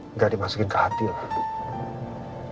nggak dimasukin ke hati lah